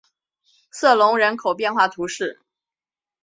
瑟隆人口变化图示